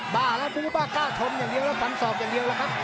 บ้าแล้วนี่บ้าเก้าหยัดก็ลองดูกัน